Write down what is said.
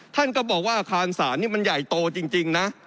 ท่านก็บอกว่าอาคารศาลนี่มันใหญ่โตจริงนะ